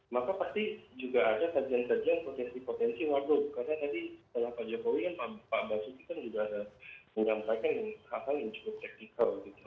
maka pasti juga ada kajian kajian potensi potensi waduk karena tadi setelah pak jokowi kan pak basuki kan juga ada menyampaikan hal hal yang cukup teknikal gitu